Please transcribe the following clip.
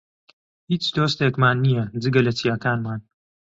هیچ دۆستێکمان نییە، جگە لە چیاکانمان.